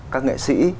các nghệ sĩ